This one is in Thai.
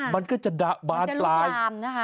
มันก็จะลุกลามนะครับ